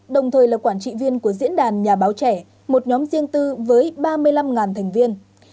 đồng thời là quản trị viên của diễn đàn nhà báo trẻ một nhóm riêng tư với ba mươi năm thành viên